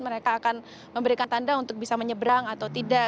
mereka akan memberikan tanda untuk bisa menyeberang atau tidak